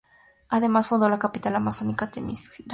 Además, fundó la capital amazónica Temiscira.